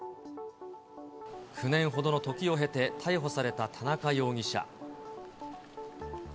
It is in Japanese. ９年ほどの時を経て、逮捕された田中容疑者。